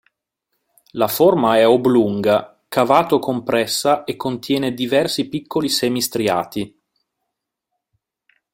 La forma è oblunga, cavato-compressa e contiene diversi piccoli semi striati.